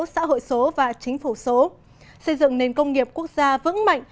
xã hội số và chính phủ số xây dựng nền công nghiệp quốc gia vững mạnh